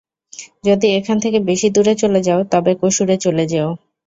যদি এখান থেকে বেশি দূরে চলে যাও, তবে কসুরে চলে যেও।